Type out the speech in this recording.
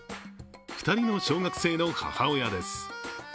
２人の小学生の母親です。